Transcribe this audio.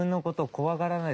怖がらない。